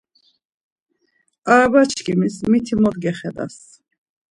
Arabaçkimis miti mot gexedas.